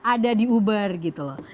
ada di uber gitu loh